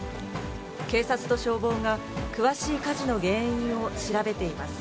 警察と消防が、詳しい火事の原因を調べています。